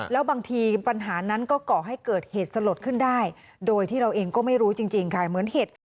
แล้วบางทีปัญหานั้นก็ก่อให้เกิดเหตุสลดขึ้นได้โดยที่เราเองก็ไม่รู้จริงค่ะเหมือนเหตุการณ์